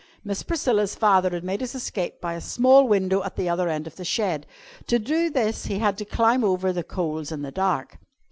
Miss Priscilla's father had made his escape by a small window at the other end of the shed. To do this he had had to climb over the coals in the dark.